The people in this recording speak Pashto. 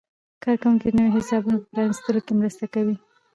کارکوونکي د نویو حسابونو په پرانیستلو کې مرسته کوي.